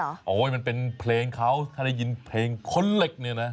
โอ้โหมันเป็นเพลงเขาถ้าได้ยินเพลงค้นเหล็กเนี่ยนะ